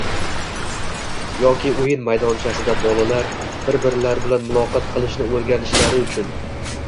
yoki o‘yin maydonchasida bolalar bir-birlari bilan muloqot qilishni o‘rganishlari uchun